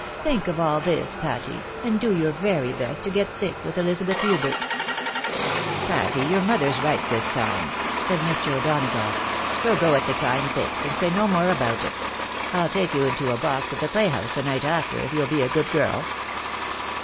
Think of ali this, Patty, and do your very best to get thick with Elizabeth Hubert." " Patty, your mother's right this time," said Mr. O'Dona gough, "so go at the time fixed, and say no more about it. I'U take you into a box at the playhouse the night after, if you'll be a good girl."